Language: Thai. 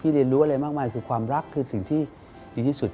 เรียนรู้อะไรมากมายคือความรักคือสิ่งที่ดีที่สุด